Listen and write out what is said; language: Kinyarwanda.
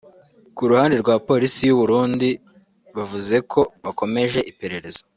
Ku ruhande rwa Polisi y’u Burundi bavuze ko bakomeje iperereza